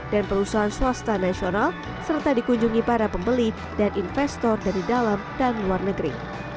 dan perusahaan swasta nasional serta dikunjungi para pembeli dan investor dari dalam dan luar negeri